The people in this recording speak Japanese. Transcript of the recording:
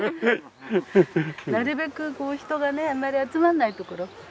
なるべく人があまり集まんない所。